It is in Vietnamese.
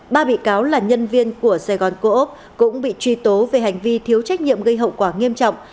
ba bị cáo là nhân viên của sài gòn coop cũng bị truy tố về hành vi thiếu trách nhiệm gây hậu quả nghiêm trọng